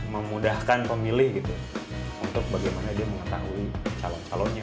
memudahkan pemilih gitu untuk bagaimana dia mengetahui calon calonnya